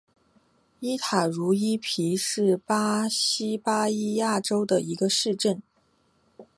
伊塔茹伊皮是巴西巴伊亚州的一个市镇。